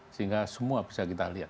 sehingga semua bisa kita lihat